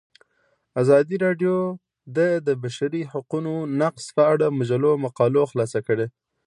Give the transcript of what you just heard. ازادي راډیو د د بشري حقونو نقض په اړه د مجلو مقالو خلاصه کړې.